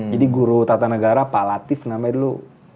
jadi guru tata negara pak latif namanya dulu